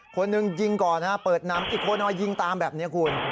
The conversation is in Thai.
คนนึงยิงก่อนนะครับเปิดน้ำอีกคนยิงตามแบบนี้คุณ